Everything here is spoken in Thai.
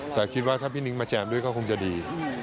แต่คิดว่าถ้าพี่นิ้งมาแจมด้วยก็คงจะดี